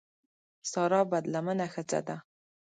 سارا بدلمنه ښځه ده.